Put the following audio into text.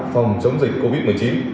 phòng chống dịch covid một mươi chín